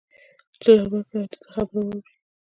چې لار ورکړی او د ده خبره واوري